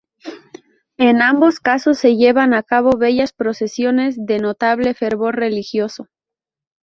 En ambos casos se llevan a cabo bellas procesiones de notable fervor religioso.